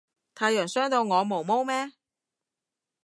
太陽傷到我毛毛咩